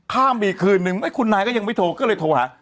ข้ามไปอีกคืนนึงคุณนายก็ยังไม่โทรก็เลยโทรหา